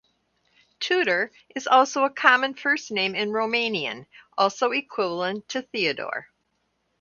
"Tudor" is also a common first name in Romanian, also equivalent to "Theodore".